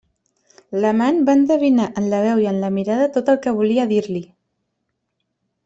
L'amant va endevinar en la veu i en la mirada tot el que volia dir-li.